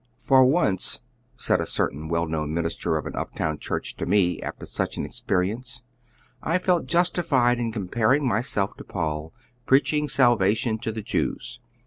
"For once," said a certain weli known minister of an uptown church to me, after such an experience, "I felt justiiiod in comparing myself to Paul preaching salvation to the Jews.